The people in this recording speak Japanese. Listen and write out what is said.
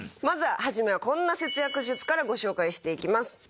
まずは初めはこんな節約術からご紹介していきます。